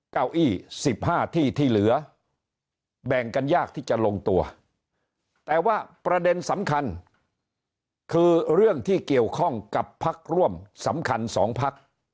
เก้าอี้๑๕ที่ที่เหลือแบ่งกันยากที่จะลงตัวแต่ว่าประเด็นสำคัญคือเรื่องที่เกี่ยวข้องกับพักร่วมสำคัญ๒พัก